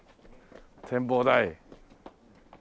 展望台。